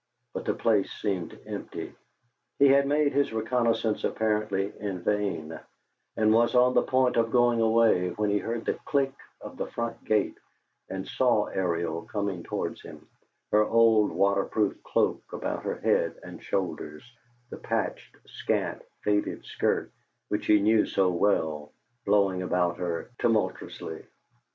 But the place seemed empty: he had made his reconnaisance apparently in vain, and was on the point of going away, when he heard the click of the front gate and saw Ariel coming towards him, her old water proof cloak about her head and shoulders, the patched, scant, faded skirt, which he knew so well, blowing about her tumultuously.